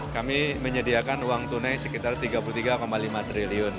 kami menyediakan uang tunai sekitar rp tiga puluh tiga lima triliun